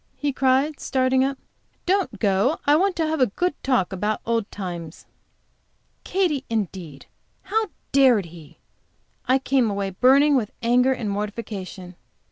he cried, starting up, "don't go. I want to have a good talk about old times." Katy, indeed! How dared he? I came away burning with anger and mortification.